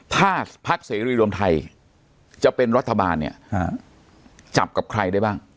ถ้าพักเสรีรวมไทยจะเป็นรัฐบาลเนี่ยจับกับใครได้บ้าง